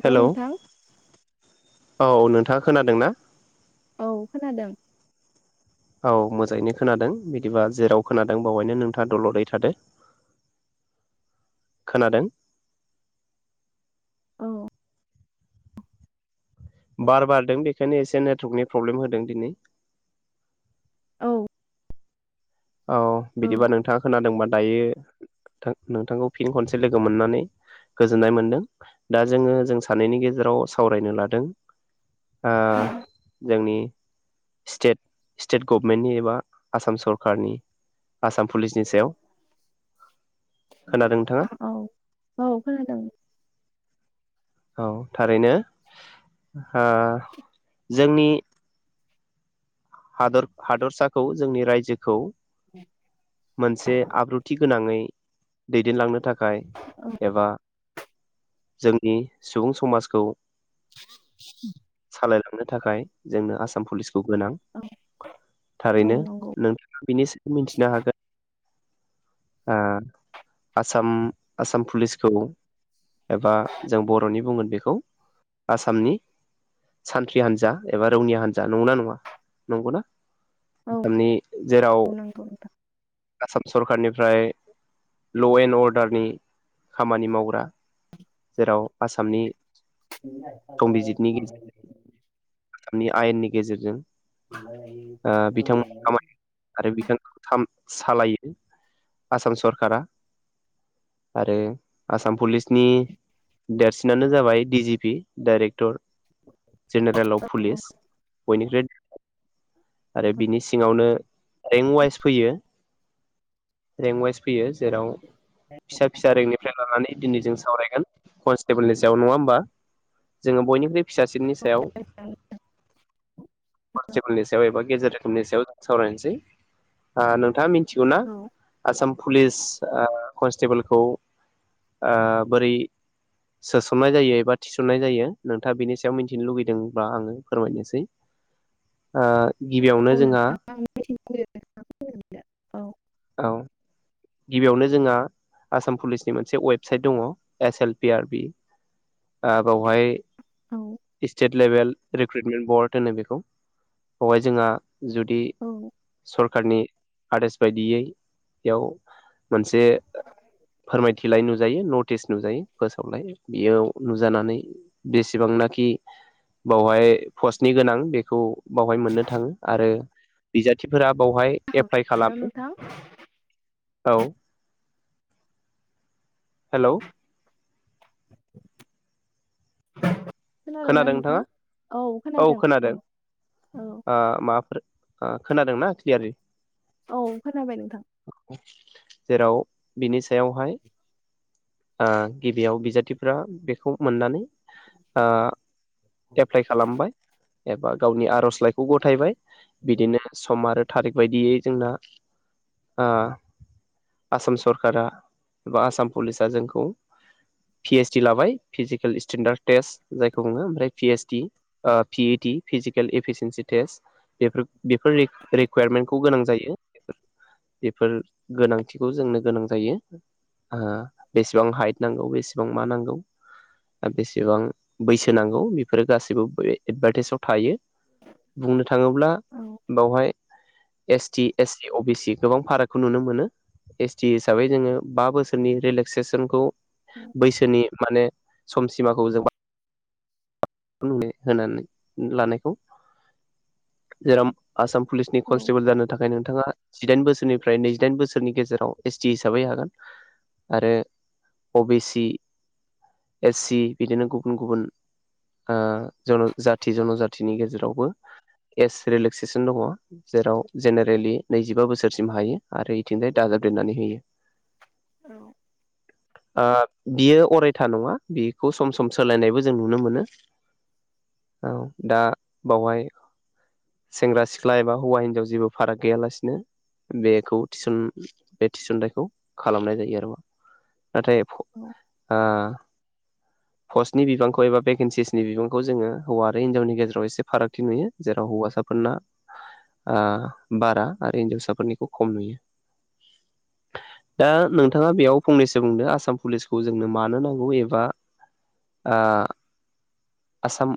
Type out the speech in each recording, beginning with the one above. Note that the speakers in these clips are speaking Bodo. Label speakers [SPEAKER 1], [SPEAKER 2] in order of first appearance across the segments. [SPEAKER 1] हेल'
[SPEAKER 2] हेलौ
[SPEAKER 1] नोंथां।
[SPEAKER 2] औ नोंथाङा खोनादों ना?
[SPEAKER 1] औ खोनादों।
[SPEAKER 2] औ मोजाङैनो खोनादों बिदिबा जेराव खोनादों बेावहायनो नोंथाङा दलदै थादो। खोनादों।
[SPEAKER 1] औ।
[SPEAKER 2] बार बारदों बेखायनो एसे नेटवर्कनि प्रब्लेम होदों दिनै।
[SPEAKER 1] औ।
[SPEAKER 2] औ बिदिबा नोंथाङा खोनादोंबा दायो नोंथांखौ फिन खनसे लोगो मोननानै गोजोननाय मोनदों दा जोंङो जों सानैनि गेजेराव सावरायनो लादों ओ जोंनि स्टेत स्टेट गभमेन्टनि एबा आसाम सरकार सखारनि आसाम पुलिसनि सायाव खोनादों नोंथाङा?
[SPEAKER 1] औ औ खोनादों
[SPEAKER 2] औ थारैनो। ओ जोंनि हादर हादरसाखौ जोंनि रायजोखौ मोनसे आब्रुथि गोनाङै दैदेनलांनो थाखाय
[SPEAKER 1] औ
[SPEAKER 2] थाखाय एबा जोंनि सुबुं समाजखौ
[SPEAKER 1] [unintelligible]
[SPEAKER 2] सालायलांनो थाखाय जोंनो आसाम पुलिसखौ गोनां
[SPEAKER 1] औ औ
[SPEAKER 2] थारैनो
[SPEAKER 1] नंगौ
[SPEAKER 2] नोंथाङा बिनि सोमोन मिथिनो हागोन ओ आसाम आसाम पुलिसखौ एबा जों बर'नि बुंगोन बेखौ आसामनि सानथ्रि हान्जा एबा रौनि हान्जा नंगौ ना नङा? नंगौना
[SPEAKER 1] औ
[SPEAKER 2] आसामनि जेराव
[SPEAKER 1] औ नंगौ नोंथां
[SPEAKER 2] आसाम सरखारनि ओमफ्राय लएणड अर्डारनि खामानि मावग्रा जेराव आसामनि संबिजितनि गेजेरजों आसामनि आयेननि गेजेरजों ओ बिथांमोना खामानि आरो बिथां सालायो आसाम सरखारा आरो आसाम पुलिसनि देरसिनानो जाबाय D G P director general अब
[SPEAKER 1] औ
[SPEAKER 2] पुलिस बयनिख्रुइ आरो
[SPEAKER 1] औ
[SPEAKER 2] बिनि सिङावनो रेंक वाइस फैयो। रेंक वाइस फैयो जेराव फिसा फिसा रेंकनिफ्राय लानानै दिनै जों सावरायगोन कनस्टेबोलनि सायाव नङा होमबा जोङो बयनिख्रुइ फिसासिननि सायाव कनस्टेबोलनि स गेजेर रोखोमनि सायाव जों सावरायनोसै ओ नोंथाङा मि मिथिगौना
[SPEAKER 1] औ
[SPEAKER 2] आसाम पुलिस कनस्टेबोलखौ ओ बोरै सोसननाय जायो एबा थिसननाय जायो नोंथाङा बिनि सायाव मिथिनो लुुबैदोंब्ला आङो फोरमायनोसै। ओ
[SPEAKER 1] औ
[SPEAKER 2] गिबियावनो जोंहा
[SPEAKER 1] नोंथां आं मिथिनो लुबैदों नोंथाङा [unintelligible]
[SPEAKER 2] औ गिबियावनो जोंहा आसाम पुलिसनि मोनसे वेबसाइट दङ S L P R B O बेवहाय
[SPEAKER 1] औ
[SPEAKER 2] लेभेल रिक्रुइटमेन्ट बर्ड होनो बेखौ बेवहाय जोंहा जुदि सरखारनि आदोस बायदियै बेयाव मोनसे फोरमायथिलाय नु नुजायो नटिस नुजायो फोसावलाय बेयाव नुजानानै बेसेबांनाखि बावहाय पस्टनि गोनां बेखौ बावहाय मोननो थाङो आरो बिजा थिफोरा बेवहाय
[SPEAKER 1] औ
[SPEAKER 2] एप्लाइ
[SPEAKER 1] हेल'
[SPEAKER 2] खालामो।
[SPEAKER 1] नोंथां
[SPEAKER 2] औ हेलौ
[SPEAKER 1] [inaudible]
[SPEAKER 2] खोनादों
[SPEAKER 1] नोंथां
[SPEAKER 2] नोंथाङा औ खोनादों
[SPEAKER 1] औ
[SPEAKER 2] ओ माबाफोर खोनादोंना क्लियारै?
[SPEAKER 1] औ खोनाबाय नोंथां
[SPEAKER 2] [inaudible] जेराव बिनि सायावहाय ओ गिबियाव बिजाथिफोरा बेखौ मोननानै आ एप्लाइ खालामबाय एबा गावनि आर'जलाइखौ गथायबाय बिदिनो सम आरो थारिख बायदियै जोंना आसाम सरखारा एबा आसाम पुलिसा जोंखौ पि एइस डि लाबाय फिजिकेल स्टेेनडार्ड टेस्ट जायखौ बुङो ओमफ्राय P S D PET physical efficiency test before before रिक-रिकुवारमेन्ट खौ गोनां जायो बेफोर गोनांथिखौ जोंनो गोनां जायो ओ बेसेबां हाइट नांगौ बेसेबां मा नांगौ बेसेबां बैसो नांगौ बेफोरो गासैबो बे एदभार्टाइसाव थायो बुंनो थाङोब्ला
[SPEAKER 1] औ
[SPEAKER 2] बावहाय S T S C O B C गोबां फारागखौ नुनो मोनो एस टि हिसाबै जोङो बा बोसोरनि रिलेक्सेसनखौ
[SPEAKER 1] औ
[SPEAKER 2] बैसोनि माने समसिमाखौ जों [unintelligible] होनानै लानायखौ जेराव आसाम पुलिसनि
[SPEAKER 1] औ
[SPEAKER 2] कनस्टेबोल जानो थाखाय नोंथाङा जिदाइन बोसोरनिफ्राय नैजिदाइन बोसोरनि गेजेराव एस टि हिसाबै हागोन आरो अ बि सि एस सि बिदिनो गुबुन गुबुन ओ जन जाथि जन'जाथिनि गेजेरावबो एस रिलेक्सेसन दङ जेराव जेनेरेलि नैजिबा बोसोरसिम हायो आरो इथिंजाय दाजाबदेनानै होयो
[SPEAKER 1] औ
[SPEAKER 2] ओ बियो अरायथा नङा बिखौ सम सम सोलायनायबो जों नुनो मोनो औ दा बावहाय सेंग्रा सिख्ला एबा हौवा हिनजाव जेबो फाराग गैयालासिनो बेखौ थिसन बे थिसनथायखौ खालामनाय जायो आरोबा नाथाय फ आ फसनि बिबांखौ एबा बे केनसिसनि बिबांखौ जोङो हौवा आरो हिन्जावनि गेजेराव एसे फारागथि नुयो जेराव हौवासाफोरना आ बारा आरो हिनजावसाफोरनिखौ खम नुयो। दा नोंथाङा बेयाव फंनैसो बुंदों आसाम पुलिसखौ जोंनो मानो नांगौ एबा आ आसाम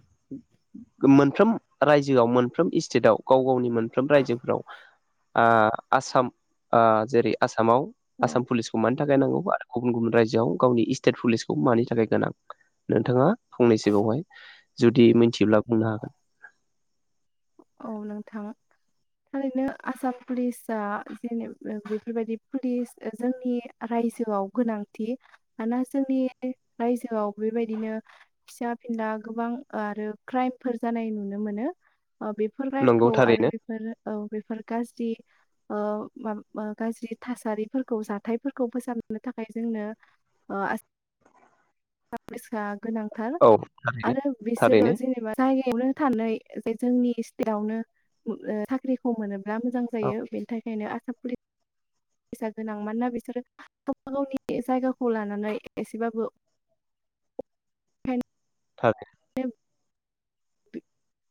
[SPEAKER 2] मोनफ्रोम रायजोआव मोनफ्रोम स्टेटआव गाव गावनि मोनफ्रोम रायजोफ्राव आ आसाम आ जेरै आस सामाव
[SPEAKER 1] औ
[SPEAKER 2] आसाम पुलिसखौ मानि थाखाय नांगौ बा गुबुन गुबुन रायजोआव गावनि स्टेट पुलिसखौ मानि थाखाय गोनां नोंथाङा फंनैसो बावहाय जुदि मिथिब्ला बुंनो हागोन
[SPEAKER 1] औ नोंथां थारैनो आसाम पुलिसाआ जेनेब बेफोरबायदि पुलिस जोंनि रायजोआव गोनांथि मानोना जोंनि रायजोआव बेबायदिनो फिसा फिनला गोबां आरो क्राइमफोर जानाय नुनो मोनो बेफोर
[SPEAKER 2] नंगौ
[SPEAKER 1] राइमखौ आरो
[SPEAKER 2] थारैनो
[SPEAKER 1] बेफोर औ बेफोर गाज्रि औ ओ गाज्रि थासारिफोरखौ जाथायफोरखौ फोसाबनो थाखाय जोंनो ओ आसाम [unintelligible] गोनांथार
[SPEAKER 2] औ थारैनो
[SPEAKER 1] आरो बिसोरो
[SPEAKER 2] थारैनो
[SPEAKER 1] जेनेबा जायगायावनो थानै [unintelligible] जोंनि स्टेटआवनो ओ साख्रिखौ मोनोब्ला मोजां
[SPEAKER 2] औ
[SPEAKER 1] जायो बेनि थाखायनो आसाम पुलिससा गोनां मानोना बिसोरो गावबा गावनि जायगाखौ लानानै एसेबाबो ओंखायनो
[SPEAKER 2] [unintelligible]
[SPEAKER 1] [unintelligible]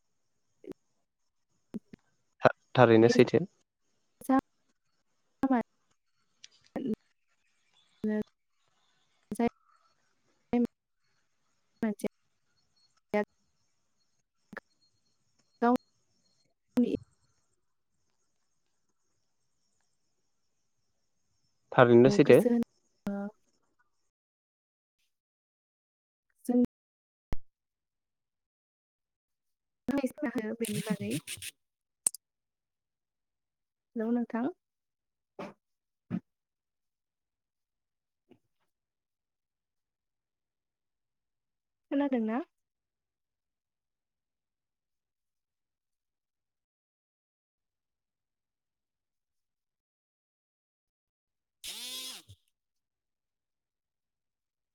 [SPEAKER 2] थारैनो
[SPEAKER 1] बे
[SPEAKER 2] सैथो।
[SPEAKER 1] [unintelligible] [unintelligible]
[SPEAKER 2] थारैनो सैथो।
[SPEAKER 1] ओ जों [unintelligible] बेनि बागै हेलौ नोंथां? खोनादोंना?